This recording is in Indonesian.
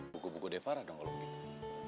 buku buku defara dong kalau begitu